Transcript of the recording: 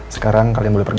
sekarang kalian boleh pergi